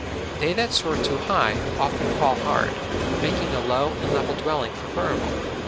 They that soar too high, often fall hard, making a low and level Dwelling preferable.